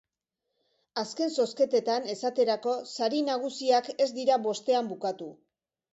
Azken zozketetan, esaterako, sari nagusiak ez dira bostean bukatu.